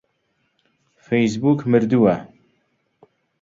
فەیسبووک مردووە.